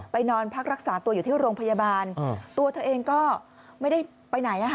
นอนพักรักษาตัวอยู่ที่โรงพยาบาลตัวเธอเองก็ไม่ได้ไปไหน